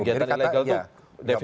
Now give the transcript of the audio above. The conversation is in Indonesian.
kegiatan ilegal itu